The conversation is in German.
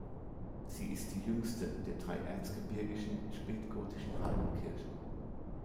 Sie ist die jüngste der drei erzgebirgischen spätgotischen Hallenkirchen.